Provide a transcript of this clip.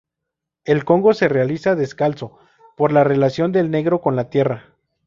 El congo se realiza descalzo, por la relación del negro con la tierra.